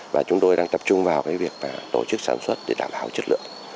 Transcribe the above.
và chúng tôi đang tập trung vào việc tổ chức sản xuất để đảm bảo chất lượng